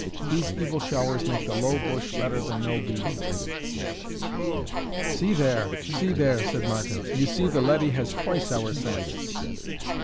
These evil showers make the low bush better than no bield." "See there, see there," said Martin, "you see the leddy has twice our sense."